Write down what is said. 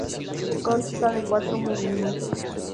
Consta de cuatro movimientos.